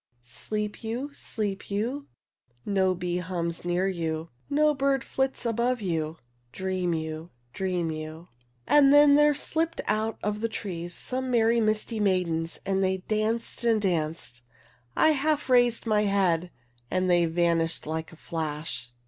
57 Sleep you, sleep you, No bee hums near you. No bird flits above vou. Dream vou, dream vou. A Dryad, 58 And then there slipped out of the trees some merry misty maidens, and they danced and danced. I half raised my head and they vanished like a flash."